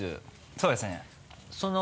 そうですね。